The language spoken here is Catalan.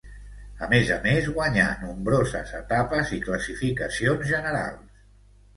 A més a més guanyà nombroses etapes i classificacions generals.